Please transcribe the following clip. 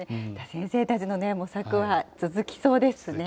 先生たちのね、模索は続きそうですね。